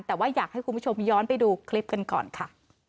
แต่ว่าอยากให้คุณผู้ชมย้อนไปดูคลิปกันก่อนค่ะ